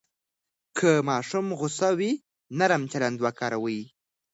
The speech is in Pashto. که ماشوم غوسه وي، نرم چلند وکاروئ.